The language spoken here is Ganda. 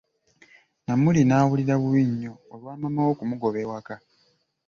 Namuli n'awulira bubi nnyo olwa maama we okumugoba ewaka.